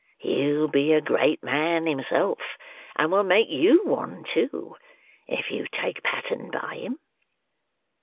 He'll be a great man himself, and will make you one too, if you take pattern by him.